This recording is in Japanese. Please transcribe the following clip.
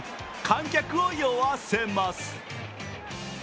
観客を酔わせます。